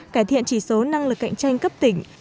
cải thiện chỉ số năng lực cạnh tranh cấp tỉnh